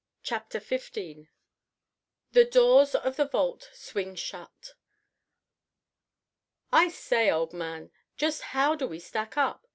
CHAPTER XV THE DOORS OF THE VAULT SWING SHUT "I say, old man, just how do we stack up?"